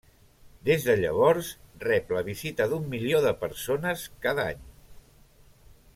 Des de llavors, rep la visita d'un milió de persones cada any.